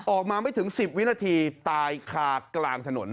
ออกมาไม่ถึง๑๐วินาทีตายคากลางถนน